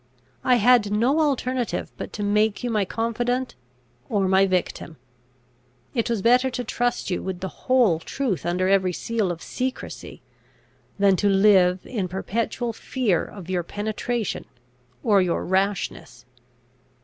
I had no alternative but to make you my confidant or my victim. It was better to trust you with the whole truth under every seal of secrecy, than to live in perpetual fear of your penetration or your rashness.